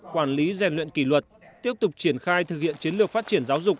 quản lý rèn luyện kỷ luật tiếp tục triển khai thực hiện chiến lược phát triển giáo dục